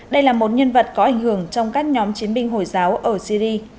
đây là một nhân vật có ảnh hưởng trong các nhóm chiến binh hồi giáo ở syri